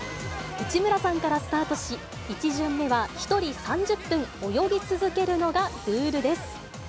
内村さんからスタートし、１巡目は１人３０分泳ぎ続けるのがルールです。